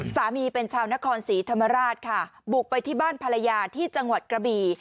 สามีเป็นชาวนครศรีธรรมราชค่ะบุกไปที่บ้านภรรยาที่จังหวัดกระบี่